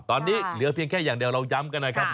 ตอนนี้เหลือเพียงแค่อย่างเดียวเราย้ำกันนะครับ